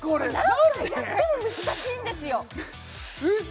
何回やっても難しいんですよウソ？